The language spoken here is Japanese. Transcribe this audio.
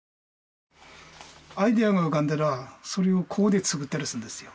アイデアが浮かんだらそれをここでつくったりするんですよ。